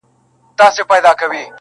جارچي خوله وه سمه كړې و اعلان ته،